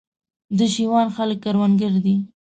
د شېوان خلک کروندګر دي